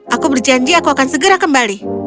aku berjanji aku akan segera kembali